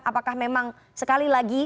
apakah memang sekali lagi